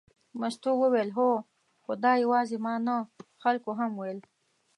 مستو وویل هو، خو دا یوازې ما نه خلکو هم ویل.